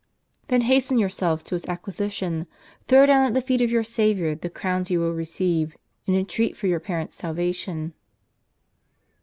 then c=£ hasten yourselves to its acquisition ; throw down at the feet of your Saviour the crowns you will receive, and entreat for your parents' salvation."